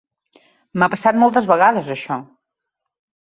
M'ha passat moltes vegades, això.